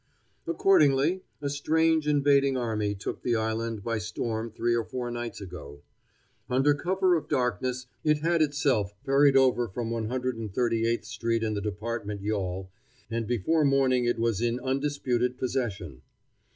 Accordingly, a strange invading army took the island by storm three or four nights ago. Under cover of the darkness it had itself ferried over from One Hundred and Thirty eighth street in the department yawl, and before morning it was in undisputed possession.